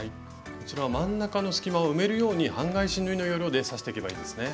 こちらは真ん中の隙間を埋めるように半返し縫いの要領で刺していけばいいですね。